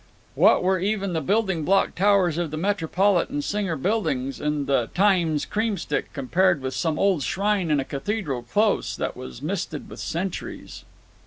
What were even the building block towers of the Metropolitan and Singer buildings and the Times's cream stick compared with some old shrine in a cathedral close that was misted with centuries!